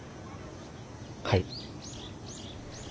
はい。